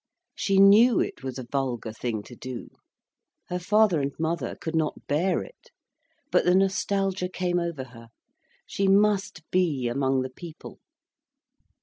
She knew it was a vulgar thing to do; her father and mother could not bear it; but the nostalgia came over her, she must be among the people.